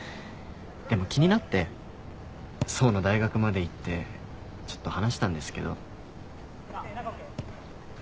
でも気になって想の大学まで行ってちょっと話したんですけど。